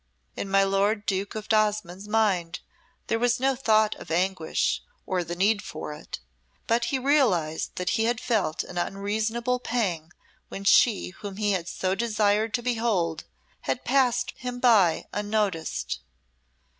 In my lord Duke of Osmonde's mind there was no thought of anguish or the need for it; he but realised that he had felt an unreasonable pang when she whom he had so desired to behold had passed him by unnoticed.